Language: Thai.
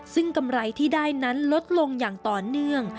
ซึ่งกำไรที่ได้นั้นลดลงอย่างต่อเนื่อง